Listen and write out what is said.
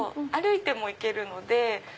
歩いても行けるので。